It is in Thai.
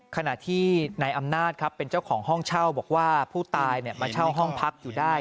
ขณะที่นายอำนาจครับเป็นเจ้าของห้องเช่าบอกว่าผู้ตายมาเช่าห้องพักอยู่ได้